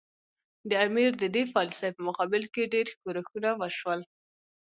د امیر د دې پالیسي په مقابل کې ډېر ښورښونه وشول.